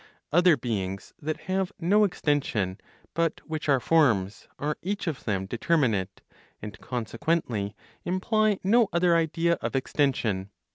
Other beings, that have no extension, but which are forms, are each of them determinate, and consequently imply no other idea of extension.